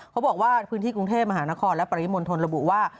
เขาบอกว่าพื้นที่กรุงเทพมหานครและปริมณฑลระบุว่า